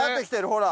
ほら。